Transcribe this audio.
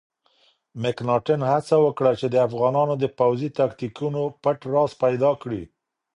مکناتن هڅه وکړه چې د افغانانو د پوځي تاکتیکونو پټ راز پیدا کړي.